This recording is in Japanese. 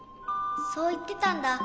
そういってたんだ。